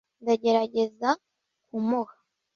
ndagerageza kumuha